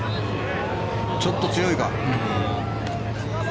ちょっと強いか。